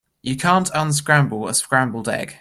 You can't unscramble a scrambled egg.